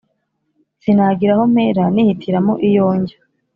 sinagira aho mpera nihitiramo iyo njya